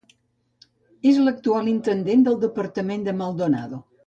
És l'actual intendent del departament de Maldonado.